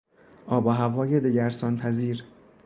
آب و هوای دگرسانپذیر